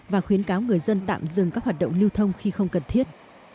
và khuyến cáo người dân tạm dừng các hoạt động lưu thông khi không cần thiết